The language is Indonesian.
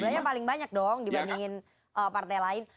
sebenarnya paling banyak dong dibandingin partai lain